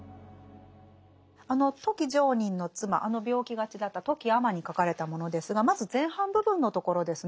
あの富木常忍の妻あの病気がちだった富木尼に書かれたものですがまず前半部分のところですね。